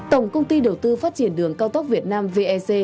tổng công ty đầu tư phát triển đường cao tốc việt nam vec